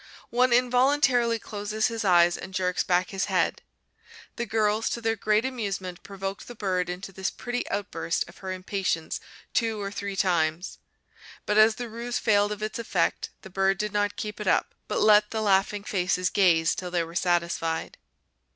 One involuntarily closes his eyes and jerks back his head. The girls, to their great amusement, provoked the bird into this pretty outburst of her impatience two or three times. But as the ruse failed of its effect, the bird did not keep it up, but let the laughing faces gaze till they were satisfied.